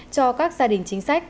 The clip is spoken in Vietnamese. cho các gia đình chính sách